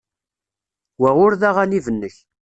Wa ur d aɣanib-nnek.